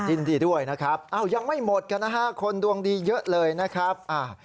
ยินดีด้วยนะครับอ้าวยังไม่หมดกันนะฮะคนดวงดีเยอะเลยนะครับ